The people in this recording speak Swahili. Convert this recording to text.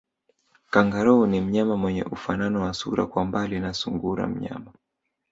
Kangaroo ni mnyama mwenye ufanano wa sura kwa mbali na sungura mnyama